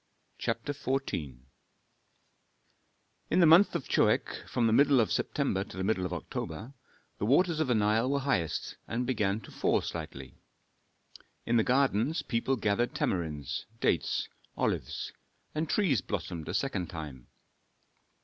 CHAPTER XIV In the month of Choeak (from the middle of September to the middle of October), the waters of the Nile were highest, and began to fall slightly. In the gardens people gathered tamarinds, dates, olives; and trees blossomed a second time.